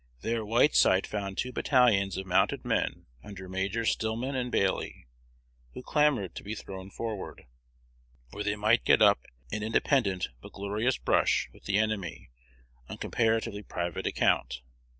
There Whiteside found two battalions of mounted men under Majors Stillman and Bailey, who clamored to be thrown forward, where they might get up an independent but glorious "brush" with the enemy on comparatively private account.